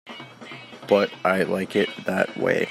But I like it that way.